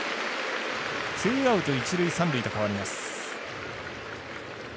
ツーアウト、一塁、三塁へと変わります。